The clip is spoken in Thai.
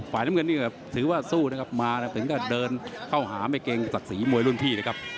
น้ำเงินนี่ถือว่าสู้นะครับมาถึงก็เดินเข้าหาไม่เกรงศักดิ์ศรีมวยรุ่นพี่นะครับ